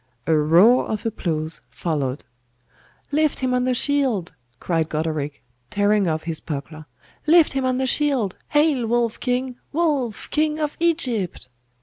A roar of applause followed. 'Lift him on the shield,' cried Goderic, tearing off his buckler. 'Lift him on the shield! Hail, Wulf king! Wulf, king of Egypt!